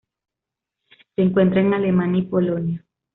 Se encuentra en Alemania y Polonia.